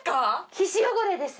皮脂汚れです。